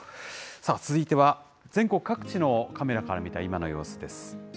さあ、続いては、全国各地のカメラから見た今の様子です。